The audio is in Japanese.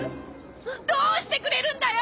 どうしてくれるんだよ！